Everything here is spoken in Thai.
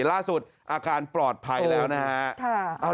ล่าสุดอาการปลอดภัยแล้วนะฮะ